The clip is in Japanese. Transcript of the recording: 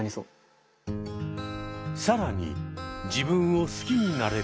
更に「自分を好きになれる」